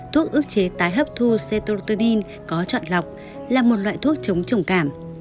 thuốc ước chế tái hấp thu cetrotidine có trọn lọc là một loại thuốc chống trùng cảm